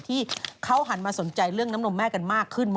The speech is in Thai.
ที่เขาหันมาสนใจเรื่องน้ำนมแม่กันมากขึ้น